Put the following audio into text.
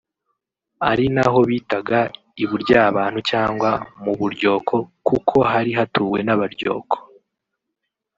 ari naho bitaga i-Buryabantu cyangwa mu-Buryoko kuko hari hatuwe n’Abaryoko